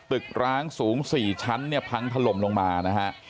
ร้างสูง๔ชั้นเนี่ยพังถล่มลงมานะฮะ